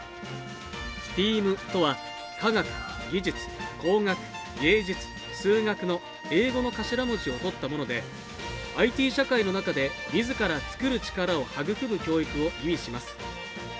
ＳＴＥＡＭとは、科学、技術、工学、芸術、数学の英語の頭文字をとったものでＩＴ社会の中で自ら作る力を育む教育を意味します。